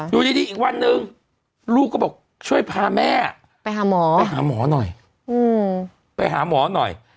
อยู่ดีอีกวันนึงลูกก็บอกช่วยพาแม่ไปหาหมอหน่อย